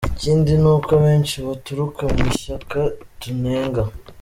Ikindi ni uko abenshi baturuka mu ishyaka tunenga.